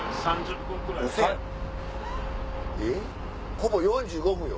ほぼ４５分よ